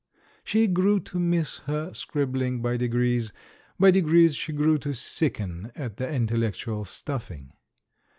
She grew to miss her scribbling by degrees. By degrees she grew to sicken at the intellectual stuffing.